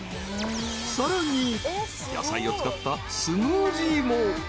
［さらに野菜を使ったスムージーも］